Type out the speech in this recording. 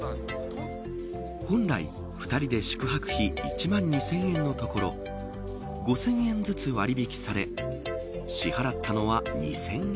本来、２人で宿泊費１万２０００円のところ５０００円ずつ割引され支払ったのは２０００円。